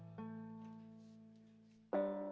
ya udah saya pakai baju dulu